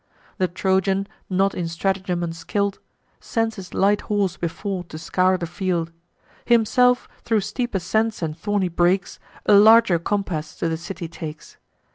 The Trojan, not in stratagem unskill'd, Sends his light horse before to scour the field: Himself, thro' steep ascents and thorny brakes, A larger compass to the city takes.